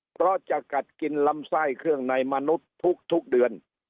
เพราะจะกัดกินลำไส้เครื่องในมนุษย์ทุกเดือน